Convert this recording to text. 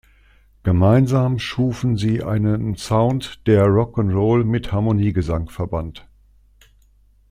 Gemeinsam schufen sie eine Sound, der Rock ’n’ Roll mit Harmoniegesang verband.